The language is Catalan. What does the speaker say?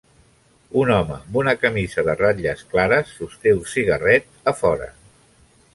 Un home amb una camisa de ratlles clares sosté un cigarret a fora.